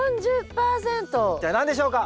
一体何でしょうか？